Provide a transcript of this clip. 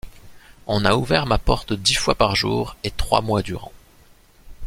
On a ouvert ma porte dix fois par jour et trois mois durant.